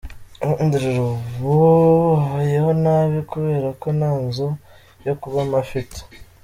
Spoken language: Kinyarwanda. Rhodri ubu abayeho nabi kubera ko nta nzu yo kubamo afite.